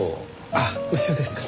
あっお塩ですか。